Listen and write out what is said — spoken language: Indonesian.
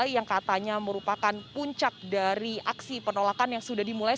yang katanya merupakan puncak dari aksi penolakan yang sudah dimulai